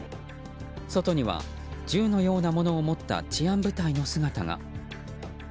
外には銃のようなものを持った治安部隊の姿が。